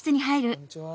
こんにちは。